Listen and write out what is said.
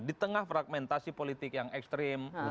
di tengah fragmentasi politik yang ekstrim